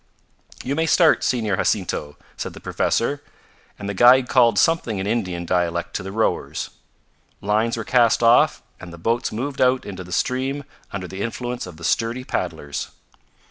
"You may start, Senor Jacinto," said the professor, and the guide called something in Indian dialect to the rowers. Lines were cast off and the boats moved out into the stream under the influence of the sturdy paddlers.